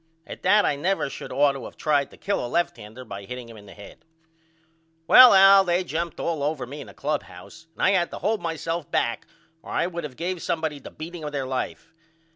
At that I never should ought to of tried to kill a left hander by hitting him in the head. Well Al they jumped all over me in the clubhouse and I had to hold myself back or I would of gave somebody the beating of their life.